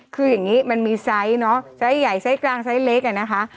คืออย่างนี้มันมีไซส์เนาะไซส์ใหญ่ไซส์กลางไซส์เล็กอ่ะนะคะ